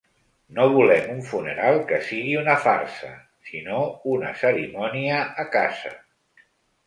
No volem un funeral que sigui una farsa, sinó una cerimònia a casa.